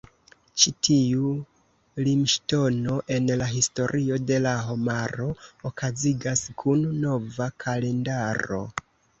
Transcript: Ĉi tiu limŝtono en la historio de la homaro okazigas kun nova kalendaro.